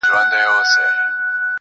نن مي بيا ټوله شپه.